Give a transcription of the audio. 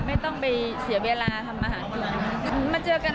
ไม่ต้องไปเสียเวลาทำอาหารกิน